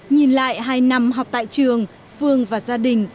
nhìn lại hai năm học tại trường phương và gia đình